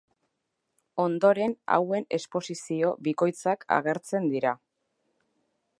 Ondoren hauen esposizio bikoitzak agertzen dira.